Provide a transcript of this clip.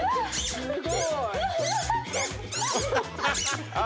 すごいあ！